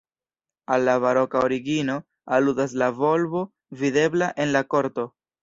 Al la baroka origino aludas la volbo videbla en la korto.